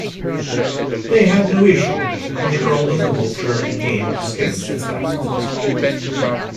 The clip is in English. They had no issue, and the earldom of Wiltshire became extinct at Stafford's death.